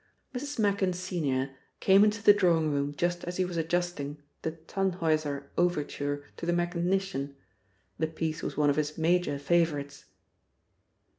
Mrs. Machin, senior, came into the drawing room just as he was adjusting the "Tannhäuser" overture to the mechanician. The piece was one of his major favourites.